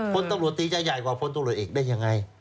คนตำรวจตีจะใหญ่กว่าพลตำรวจเอกได้ยังไง